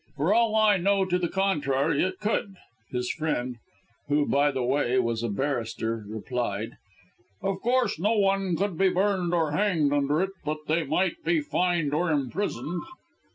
"For all I know to the contrary, it could," his friend who, by the way, was a barrister replied. "Of course no one could be burned or hanged under it, but they might be fined or imprisoned."